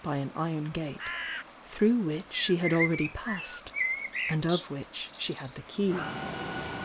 'ly an iron gate through which she had already passed, and of which she had the key.